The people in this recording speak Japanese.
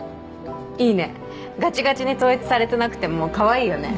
いいねガチガチに統一されてなくてもかわいいよね